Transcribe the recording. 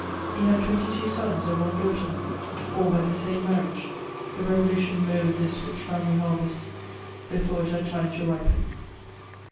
He had tweniy two sons and one daughter, all by the same marriagpe. The Revolution mowed this rich family harvest before it had time to ripen.